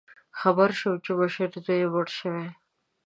خبر شوم چې مشر زوی یې مړ شوی